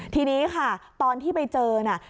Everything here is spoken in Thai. ทีนี้ค่ะตอนที่ไปเจอน่ะ